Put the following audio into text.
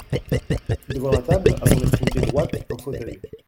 Devant la table, à son extrémité droite, un fauteuil.